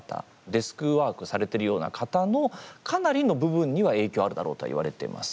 デスクワークされてるような方のかなりの部分には影響あるだろうとはいわれています。